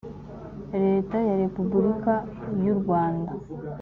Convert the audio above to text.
leta ya repubulika y’u rwanda